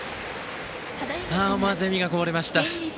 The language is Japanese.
思わず笑みがこぼれました。